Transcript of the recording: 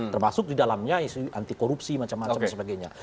termasuk di dalamnya isu anti korupsi macam macam dan sebagainya